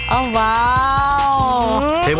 อ้าวว่าว